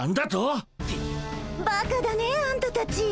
ばかだねあんたたち。